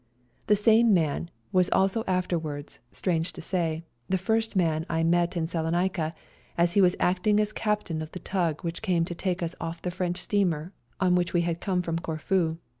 The same man was also afterwards, strange to say, the first man I met in Salonica, as he was acting as Captain of the tug which came to take us off the French steamer on which we had come from Corfu.